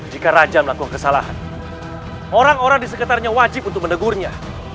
jika raja melakukan kesalahan orang orang di sekitarnya wajib untuk menegurnya